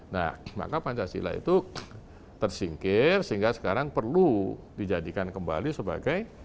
nah maka pancasila itu tersingkir sehingga sekarang perlu dijadikan kembali sebagai